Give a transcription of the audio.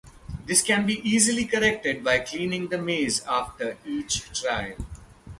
This can be easily corrected by cleaning the maze after each trial.